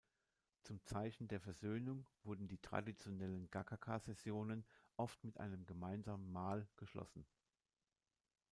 Zum Zeichen der Versöhnung wurden die traditionellen Gacaca-Sessionen oft mit einem gemeinsamen Mahl geschlossen.